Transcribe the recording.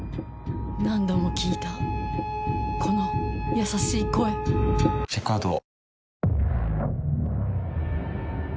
何度も聞いたこの優しい声チェックアウトを。